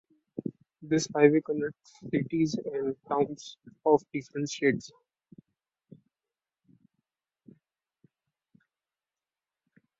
This Highway connects cities and towns of different states.